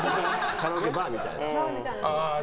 カラオケバーみたいな。